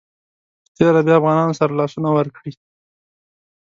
په تېره بیا افغانانو سره لاسونه ورکړي.